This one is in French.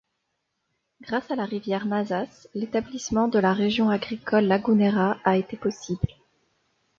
Grâce à la rivière Nazas, l'établissement de la Région agricole Lagunera a été possible.